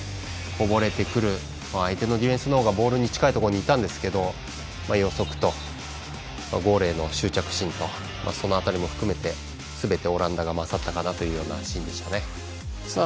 こぼれてくる相手のディフェンスのほうがボールに近いところにいたんですけど予測と、ゴールへの執着心とその辺りが、すべてオランダが勝ったかなというような場面ですね。